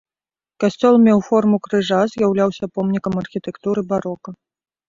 Касцёл меў форму крыжа, з'яўляўся помнікам архітэктуры барока.